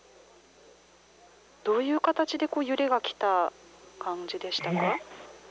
どういう形で揺れが来た感じでしたか。